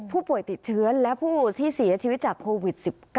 ผู้ป่วยติดเชื้อและผู้ที่เสียชีวิตจากโควิด๑๙